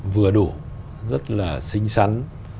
vừa đủ rất là xinh xắn